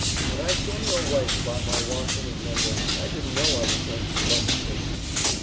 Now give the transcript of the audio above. When I saw your wife about my washing and mending I didn't know I was going to be lucky so soon.